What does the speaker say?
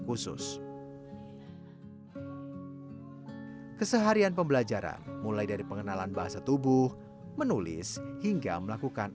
khusus keseharian pembelajaran mulai dari pengenalan bahasa tubuh menulis hingga melakukan